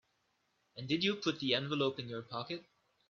And did you put the envelope in your pocket?